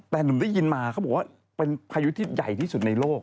แต่หนุ่มได้ยินมาเขาบอกว่าเป็นพายุที่ใหญ่ที่สุดในโลก